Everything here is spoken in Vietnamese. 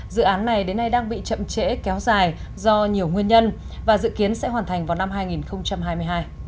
dự án này đến nay đang bị chậm trễ kéo dài do nhiều nguyên nhân và dự kiến sẽ hoàn thành vào năm hai nghìn hai mươi hai